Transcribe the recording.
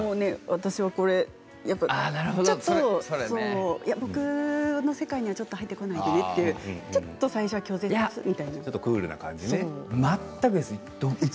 私はちょっと僕の世界に入ってこないでねというちょっと最初は拒絶みたいな。